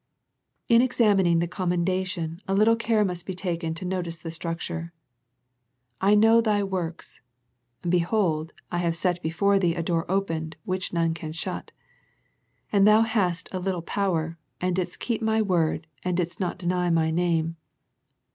In examining the commendation, a little care must be taken to notice the structure. \ I know thy works (behold, I have set before thee a door opened, which none can shut), and thou hast a little power, and didst keep My word, and didst not deny My name."